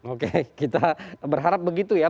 oke kita berharap begitu ya